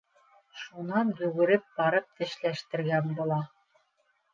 Шунан йүгереп барып тешләштергән була.